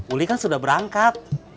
uli kan sudah berangkat